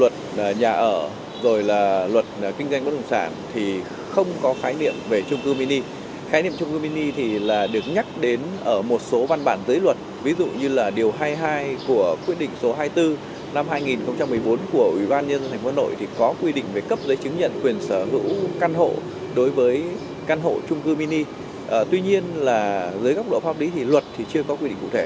tuy nhiên là dưới góc độ pháp lý thì luật thì chưa có quy định cụ thể